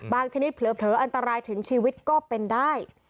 ชนิดเผลออันตรายถึงชีวิตก็เป็นได้